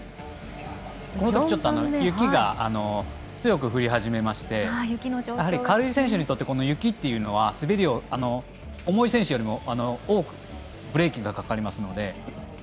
雪が強く降り始めましてやはり軽い選手にとっては雪っていうのは重い選手よりも多くブレーキがかかりますので。